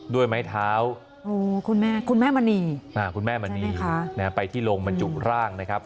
ด้วยไม้เท้าคุณแม่มณีไปที่โลงบรรจุร่างนะครับ